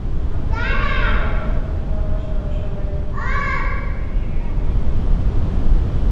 আমরা তিন বোন, আমার বাবাসহ সবাই জীবনকে মেনে এগিয়ে যেতে থাকলাম।